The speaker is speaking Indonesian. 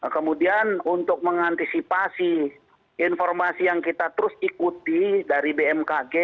kemudian untuk mengantisipasi informasi yang kita terus ikuti dari bmkg